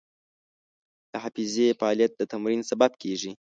د حافظې فعالیت د تمرین سبب کېږي.